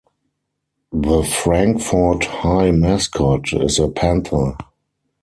The Frankfort High mascot is a panther.